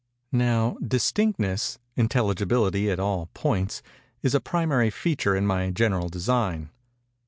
Now, distinctness—intelligibility, at all points, is a primary feature in my general design.